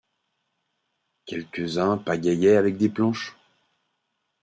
Quelques-uns pagayaient avec des planches.